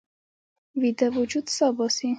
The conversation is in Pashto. ویده وجود سا باسي